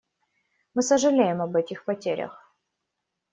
Мы сожалеем об этих потерях.